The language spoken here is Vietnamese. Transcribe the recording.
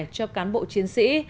cho cán bộ chiến sĩ